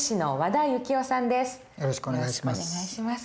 よろしくお願いします。